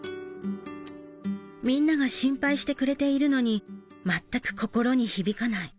みんなが心配してくれているのに全く心に響かない。